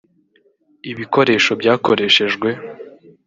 ibikoresho byakoreshejwe